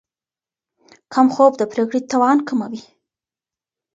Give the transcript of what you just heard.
کم خوب د پرېکړې توان کموي.